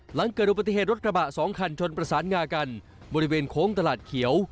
หลังเกิดอุบัติเหตุรถกระบะสองคันชนประสานงากันบริเวณโค้งตลาดเขียว